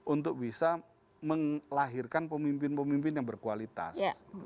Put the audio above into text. untuk bisa melahirkan pemimpin pemimpin yang berkualitas